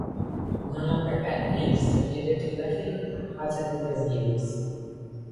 "No Longer at Ease" debuted to largely positive reviews.